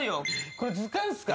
これ図鑑っすか？